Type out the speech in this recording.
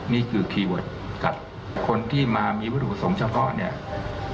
นี่คือคีย์เวิร์ดกัดคนที่มามีวิธีผสมเฉพาะเนี้ย